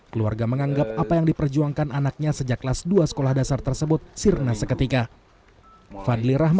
keluarga menganggap apa yang diperjuangkan anaknya sejak kelas dua sekolah dasar tersebut sirna seketika